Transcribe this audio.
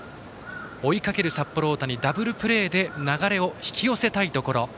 追いかける札幌大谷はダブルプレーで流れを引き寄せたいところ。